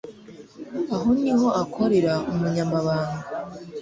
Aha niho akorera umunyamabanga.